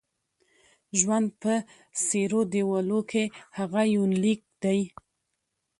ژوند په څيرو دېوالو کې: هغه یونلیک دی